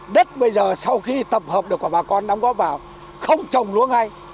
đất bây giờ sau khi tập hợp được và bà con đóng góp vào không trồng luôn hay